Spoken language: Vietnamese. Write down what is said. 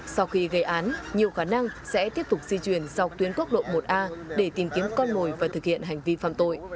sau khi gây án nhiều khả năng sẽ tiếp tục di chuyển sau tuyến quốc lộ một a để tìm kiếm con mồi và thực hiện hành vi phạm tội